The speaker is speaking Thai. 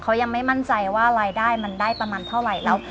เขายังไม่มั่นใจว่ารายได้มันได้ประมาณเท่าไหร่แล้ว